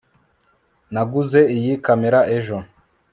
naguze iyi kamera ejo